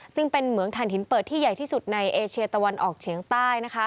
ซึ่งเป็นเหมืองฐานหินเปิดที่ใหญ่ที่สุดในเอเชียตะวันออกเฉียงใต้